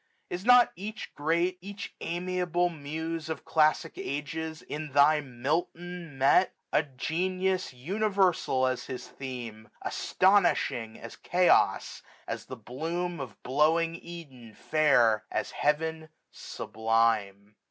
Is not each great, each amiable Muse Of classic ages in thy Milton met ? A genius universal as his theme j Astonishing as Chaos ; as the bloom Of blowing Eden fair ; as Heaven sublime.